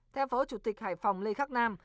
theo phó chủ tịch hải phòng lê khắc nam